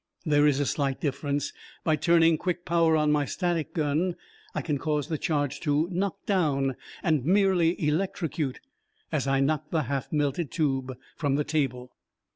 There is a slight difference: by turning quick power on my static gun, I can cause the charge to knock down and merely electrocute, as I knocked the half melted tube from the table."